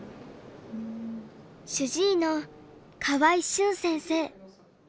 主治医の河合駿先生。